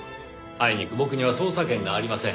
あいにく僕には捜査権がありません。